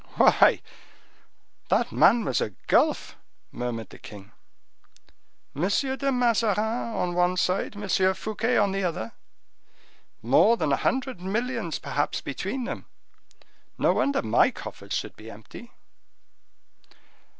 "Why, that man was a gulf!" murmured the king. "M. de Mazarin on one side, M. Fouquet on the other,—more than a hundred millions perhaps between them! No wonder my coffers should be empty!"